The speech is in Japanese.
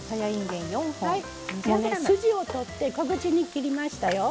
筋を取って小口に切りましたよ。